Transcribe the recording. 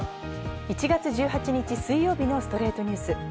１月１８日水曜日の『ストレイトニュース』。